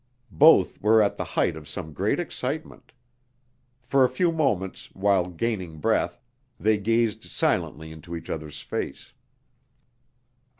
Both were at the height of some great excitement. For a few moments, while gaining breath, they gazed silently into each other's face.